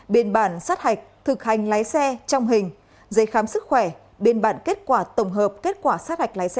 biên bản sát hạch thực hành lái xe trong hình giấy khám sức khỏe biên bản kết quả tổng hợp kết quả sát hạch lái xe